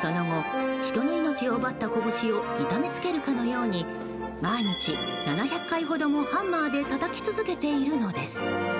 その後、人の命を奪った拳を痛めつけるかのように毎日７００回ほども、ハンマーでたたき続けているのです。